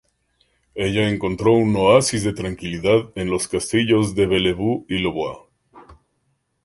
Ella encontró un oasis de tranquilidad en los castillos de Bellevue y Louvois.